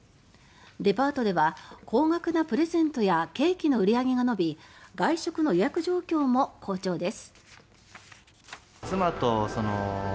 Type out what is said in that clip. デパートでは高額なプレゼントやケーキの売り上げが伸び外食の予約状況も好調です。